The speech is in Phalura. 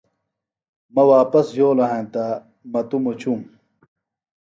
مہ واپس یھولوۡ ہینتہ مہ توۡ مُچوم